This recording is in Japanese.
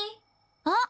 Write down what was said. あっ！